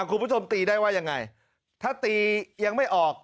คุณผู้ชมตีได้ว่ายังไงถ้าตียังไม่ออก